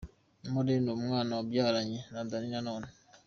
Moreen n'umwana yabyaranye na Danny Nanone .